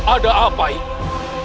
ada apa ini